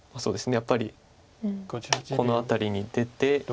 やっぱりこの辺りに出て。